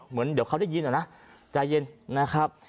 เหมือนเดี๋ยวเขาได้ยินนะใจเย็นนะครับ